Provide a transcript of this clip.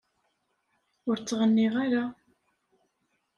Ur ttɣenniɣ ara.